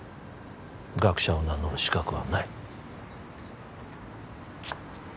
学者を名乗る資格はない